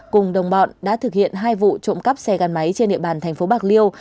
cùng đồng bọn đã thực hiện hai vụ trộm cắp xe gắn máy trên địa bàn thành phố bạc liêu